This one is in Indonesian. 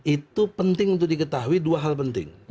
itu penting untuk diketahui dua hal penting